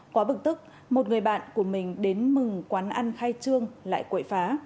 quá bực tức một người bạn của mình đến mừng quán ăn khai trương lại quậy phá